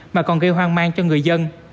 mà còn gây hoang mang cho người dân